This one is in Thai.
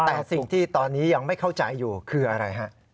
แต่สิ่งที่ตอนนี้ยังไม่เข้าใจอยู่คืออะไรฮะ